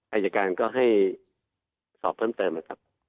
อายการก็ให้สอบเพิ่มเติมนะครับ